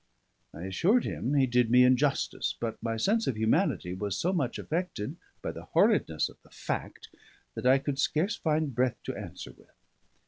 I assured him he did me injustice; but my sense of humanity was so much affected by the horridness of the fact that I could scarce find breath to answer with.